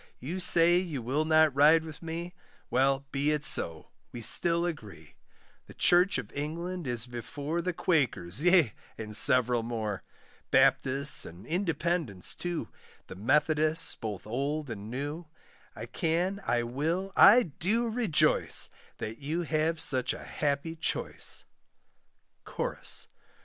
You say you will not ride with me, Well, be it so, we still agree; The church of England is before The Quakers, yea, and several more. Baptists, and Independents too, The Methodists, both old and new; I can, I will, I do rejoice, That you have such a happy choice. CHORUS.